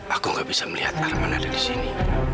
aku gak bisa melihat arman ada di sini